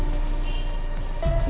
hebat banget suaminu